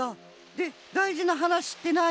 でだいじなはなしってなあに？